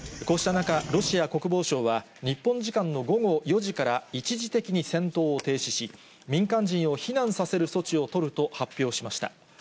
こうした中、ロシア国防省は日本時間の午後４時から一時的に戦闘を停止し、民間人を避難させる措置を取ると発表しました。